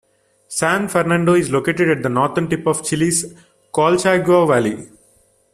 San Fernando is located at the northern tip of Chile's Colchagua Valley.